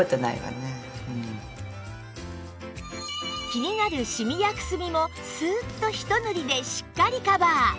気になるシミやくすみもスーッとひと塗りでしっかりカバー！